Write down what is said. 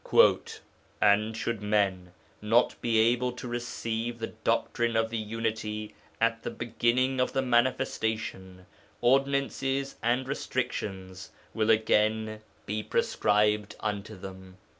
'And should men not be able to receive the Doctrine of the Unity at the beginning of the Manifestation, ordinances and restrictions will again be prescribed for them.'